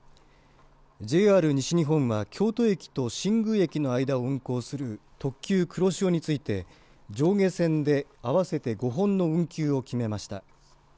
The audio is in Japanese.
ＪＲ西日本は京都駅と新宮駅の間を運行する特急くろしおについて、上下線で合わせて５本の運休を決めました。